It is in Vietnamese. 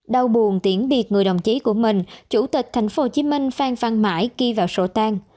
đau buồn tiễn biệt người đồng chí của mình chủ tịch tp hcm phan phan mãi ghi vào sổ tang